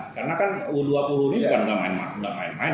karena kan u dua puluh ini kan gak main main